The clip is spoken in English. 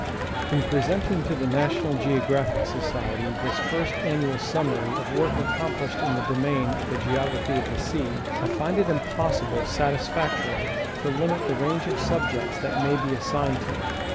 In presenting to the National Geographic Society this first an nual summary of work accomplished in the domain of the Geog raphy of the Sea, I find it impossible satisfactorily to limit the range of subjects that may be assigned to it.